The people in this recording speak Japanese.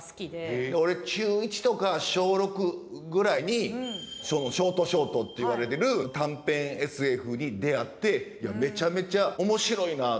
へえ俺中１とか小６ぐらいにショートショートっていわれてる短編ＳＦに出会っていやめちゃめちゃ面白いな。